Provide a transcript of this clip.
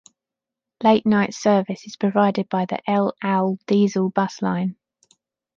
Late-night service is provided by the L Owl diesel bus line.